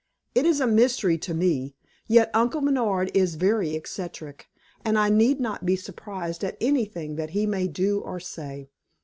"It is a mystery to me. Yet Uncle Bernard is very eccentric, and I need not be surprised at anything that he may do or say.